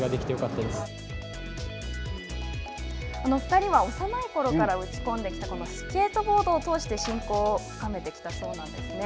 ２人は幼いころから打ち込んできたスケートボードを通して親交を深めてきたそうなんですね。